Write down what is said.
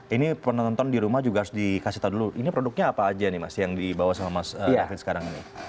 ini penonton di rumah juga harus dikasih tahu dulu ini produknya apa aja nih mas yang dibawa sama mas alvin sekarang ini